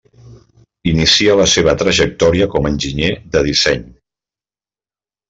Inicia la seva trajectòria com a enginyer de disseny.